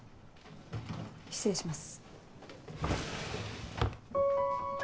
失礼します。